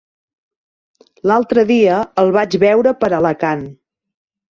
L'altre dia el vaig veure per Alacant.